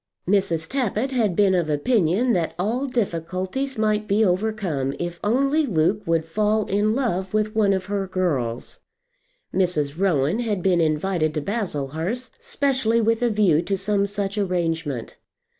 Mrs. Tappitt had been of opinion that all difficulties might be overcome if only Luke would fall in love with one of her girls. Mrs. Rowan had been invited to Baslehurst specially with a view to some such arrangement.